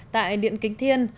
tại điện kính thiên